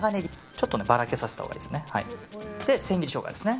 ちょっと、ばらけさせたほうがいいですね。